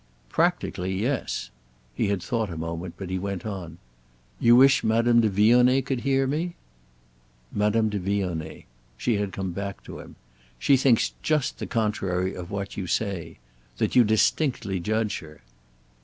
"Practically—yes." He had thought a moment, but he went on. "You wish Madame de Vionnet could hear me?" "Madame de Vionnet." She had come back to him. "She thinks just the contrary of what you say. That you distinctly judge her."